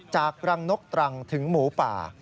จากรังนกตรังถึงหมูป่า